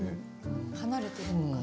離れてるのかな。